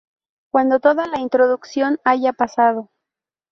Cuando toda la introducción haya pasado.